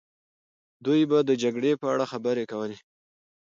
دوی به د جګړې په اړه خبرې کوله.